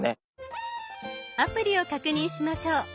アプリを確認しましょう。